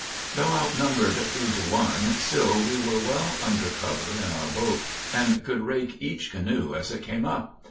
Though outnumbered three to one, still we were well under cover in our boat, and could rake each canoe as it came up.